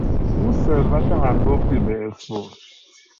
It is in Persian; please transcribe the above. او ثروت هنگفتی به ارث برد.